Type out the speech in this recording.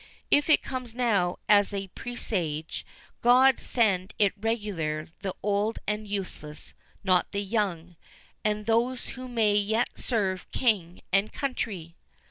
If it comes now as a presage, God send it regard the old and useless, not the young, and those who may yet serve King and country!"